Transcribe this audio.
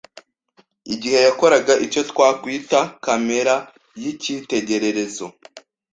igihe yakoraga icyo twakwita kamera y’ikitegererezo